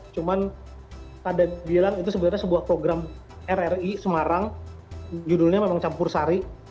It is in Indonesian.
cuman ada bilang itu sebenarnya sebuah program rri semarang judulnya memang campur sari